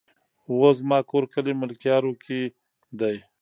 وو زما کور کلي ملكيارو کې دی